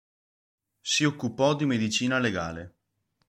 Si occupò di medicina legale.